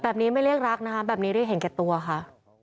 แบบนี้ไม่เรียกรักนะคะแบบนี้เรียกเห็นแก่ตัวค่ะ